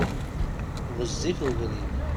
Ɣezzif ubrid.